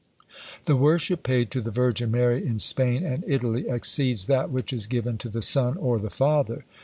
The worship paid to the Virgin Mary in Spain and Italy exceeds that which is given to the Son or the Father.